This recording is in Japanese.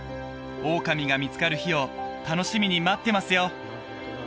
オオカミが見つかる日を楽しみに待ってますよ！